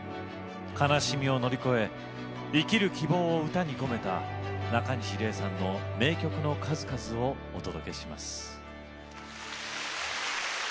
悲しみを乗り越え生きる希望を歌に込めたなかにし礼さんの名曲の数々をお届けします。